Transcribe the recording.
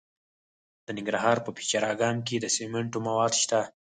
د ننګرهار په پچیر اګام کې د سمنټو مواد شته.